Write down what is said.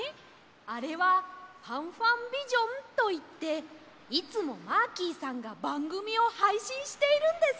あれはファンファンビジョンといっていつもマーキーさんがばんぐみをはいしんしているんです。